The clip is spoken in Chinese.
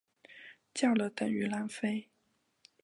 叫了等于浪费